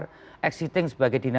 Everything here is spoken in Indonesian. dan dia juga menanggungnya